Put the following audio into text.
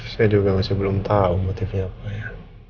saya juga masih belum tahu motifnya apa ya